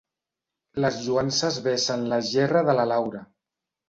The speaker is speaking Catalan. Les lloances vessen la gerra de la Laura.